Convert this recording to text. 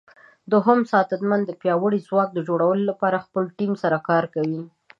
دوهم ساتنمن د پیاوړي ځواک جوړولو لپاره د خپل ټیم سره کار کوي.